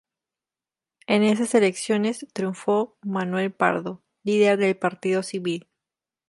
En esas elecciones triunfó Manuel Pardo, líder del Partido Civil.